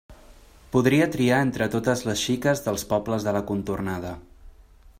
Podria triar entre totes les xiques dels pobles de la contornada.